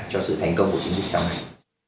cho sự thành công của chính trị sau này